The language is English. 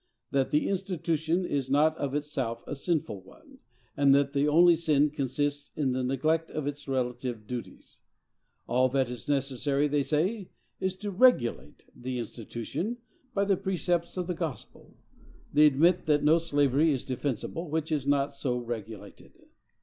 That the institution is not of itself a sinful one, and that the only sin consists in the neglect of its relative duties. All that is necessary, they say, is to regulate the institution by the precepts of the gospel. They admit that no slavery is defensible which is not so regulated.